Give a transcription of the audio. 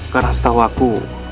karena setahu aku